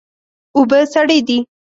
اوبه سړې دي.